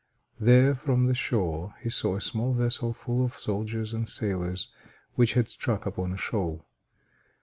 There, from the shore, he saw a small vessel full of soldiers and sailors which had struck upon a shoal.